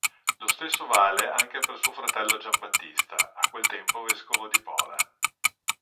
Lo stesso vale anche per suo fratello Gianbattista, a quel tempo vescovo di Pola.